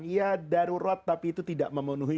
ya darurat tapi itu tidak memenuhi